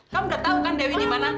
kamu udah tahu kan dewi dimana